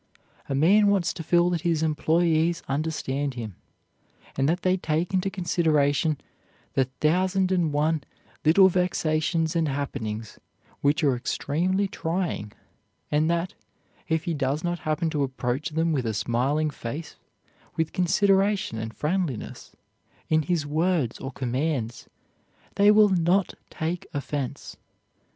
A man wants to feel that his employees understand him, and that they take into consideration the thousand and one little vexations and happenings which are extremely trying, and that if he does not happen to approach them with a smiling face, with consideration and friendliness in his words or commands, they will not take offense.